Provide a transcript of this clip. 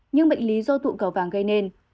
nhưng bệnh lý do tụ cầu vang gây nên